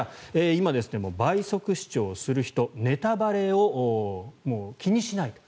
今、倍速視聴する人ネタバレを気にしないと。